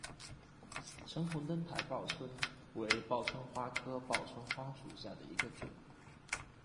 橙红灯台报春为报春花科报春花属下的一个种。